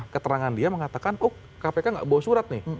keterangan dia mengatakan oh kpk nggak bawa surat nih